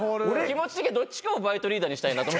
気持ち的にはどっちかをバイトリーダーにしたいなと。